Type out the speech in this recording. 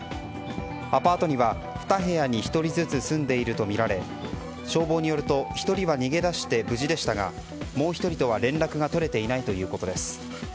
アパートには２部屋に１人ずつ住んでいるとみられ消防によると１人は逃げ出して無事でしたがもう１人とは連絡が取れていないということです。